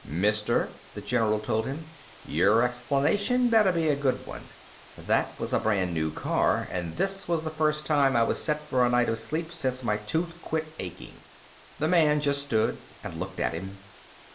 "Mister," the general told him, "your explanation better be a good one. That was a brand new car. And this was the first time I was set for a night of sleep since my tooth quit aching." The man just stood and looked at him.